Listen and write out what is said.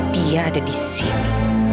dia ada disini